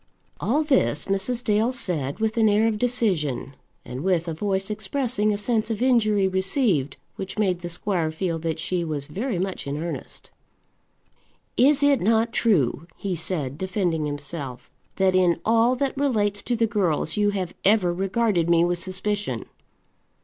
All this Mrs. Dale said with an air of decision, and with a voice expressing a sense of injury received, which made the squire feel that she was very much in earnest. "Is it not true," he said, defending himself, "that in all that relates to the girls you have ever regarded me with suspicion?"